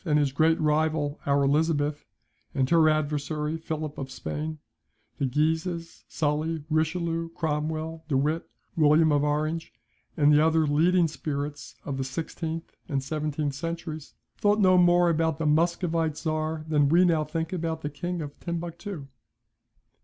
and his great rival our Elizabeth and her adversary Philip of Spain, the Guises, Sully, Richelieu, Cromwell, De Witt, William of Orange, and the other leading spirits of the sixteenth and seventeenth centuries, thought no more about the Muscovite Czar than we now think about the King of Timbuctoo.